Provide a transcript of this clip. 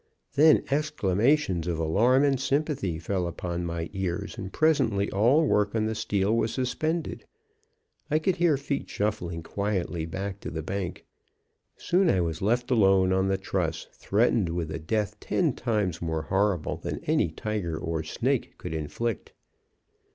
"Then exclamations of alarm and sympathy fell upon my ears, and presently all work on the steel was suspended. I could hear feet shuffling quietly back to the bank. Soon I was left alone on the truss, threatened with a death ten times more horrible than any tiger or snake could inflict.